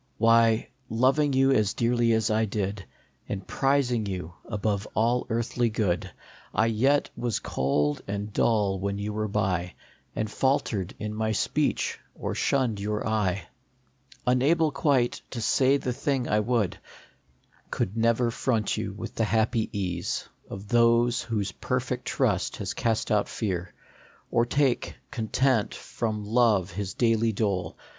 185 Why, loving you as dearly as I did, And prizing you above all earthly good, I yet was cold and dull when you were by, And faltered in my speech or shunned your eye, Unable quite to say the thing I would ; Could never front you with the happy ease Of those whose perfect trust has cast out fear, Or take, content, from Love his daily dole.